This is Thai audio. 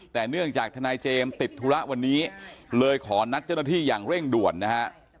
แต่เนื่องจากทนายเจมส์ติดธุระวันนี้เลยขอนัดเจ้าหน้าที่อย่างเร่งด่วนนะฮะ